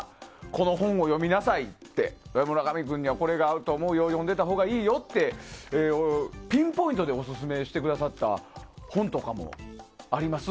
この本を読みなさいって村上君にはこれが合うと思うよ読んでたほうがいいよってピンポイントでオススメしてくださった本とかもあります。